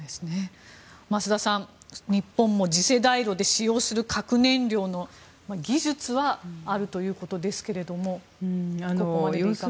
増田さん、日本も次世代炉で使用する核燃料の技術はあるということですけれども。